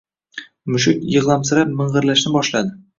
Mushuk yig‘lamsirab ming‘irlashni boshladi: